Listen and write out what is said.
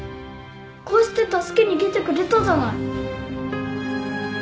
こうして助けに来てくれたじゃない。